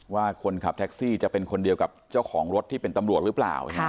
ว่าคนขับแท็กซี่จะเป็นคนเดียวกับเจ้าของรถที่เป็นตำรวจหรือเปล่า